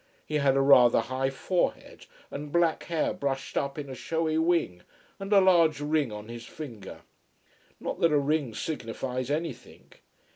He had a rather high forehead, and black hair brushed up in a showy wing, and a large ring on his finger. Not that a ring signifies anything.